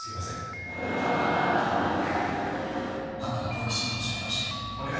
あんたにボクシング教えてほしい。